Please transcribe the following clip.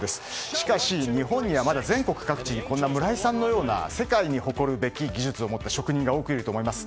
しかし、日本にはまだ全国各地こんな村井さんのような世界に誇る出来技術を持った職人が多くいると思います。